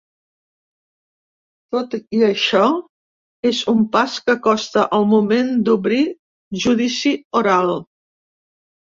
Tot i això, és un pas que acosta el moment d’obrir judici oral.